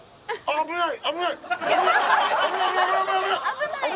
危ない！